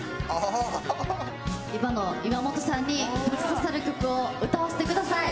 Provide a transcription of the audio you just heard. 今の岩元さんにブッ刺さる曲を歌わせてください！